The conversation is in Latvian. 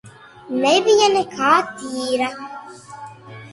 Nebija nekā tīra.